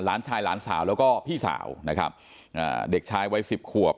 หลานชายหลานสาวแล้วก็พี่สาวนะครับอ่าเด็กชายวัยสิบขวบ